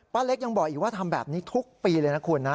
เล็กยังบอกอีกว่าทำแบบนี้ทุกปีเลยนะคุณนะ